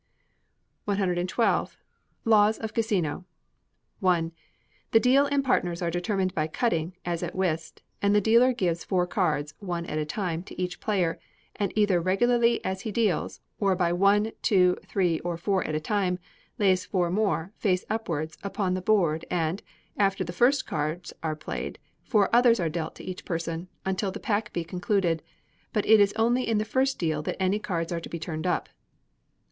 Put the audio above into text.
112. Laws of Cassino. i. The deal and partners are determined by cutting, as at whist, and the dealer gives four cards, one at a time, to each player, and either regularly as he deals, or by one, two, three, or four at a time, lays four more, face upwards, upon the board, and, after the first cards are played, four others are dealt to each person, until the pack be concluded; but it is only in the first deal that any cards are to be turned up.